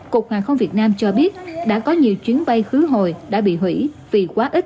cục hàng không việt nam cho biết đã có nhiều chuyến bay khứ hồi đã bị hủy vì quá ít